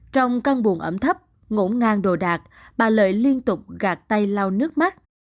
trong căn buồn ẩm thấp ngỗ ngang đồ đạc bà lợi liên tục gạt tay lao nước mắt